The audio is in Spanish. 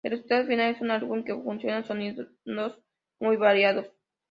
El resultado final es un álbum que fusiona sonidos muy variados.